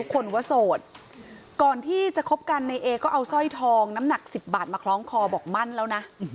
คนว่าโสดก่อนที่จะคบกันในเอก็เอาสร้อยทองน้ำหนัก๑๐บาทมาคล้องคอบอกมั่นแล้วนะ